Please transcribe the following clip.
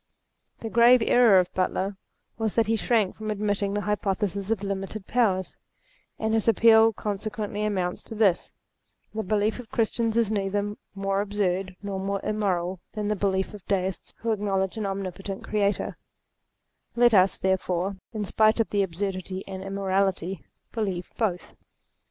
The grave error of Butler was that he shrank from admitting the hypothesis of limited powers ; and his appeal con sequently amounts to this : The belief of Chris tians is neither more absurd nor more immoral than the belief of Deists who acknowledge an Omnipotent Creator, let us, therefore, in spite of the absurdity and immorality, believe both.